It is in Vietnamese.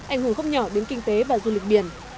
ảnh hưởng không nhỏ đến kinh tế và du lịch biển